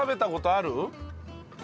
ある？